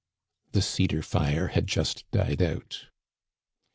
The cedar fire had just died out.